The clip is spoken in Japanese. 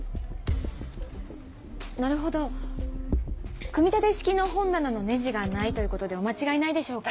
なるほど組み立て式の本棚のネジがないということでお間違いないでしょうか？